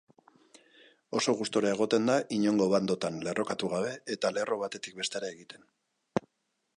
Oso gustura egoten da inongo bandotan lerrokatu gabe eta lerro batetik bestera egiten.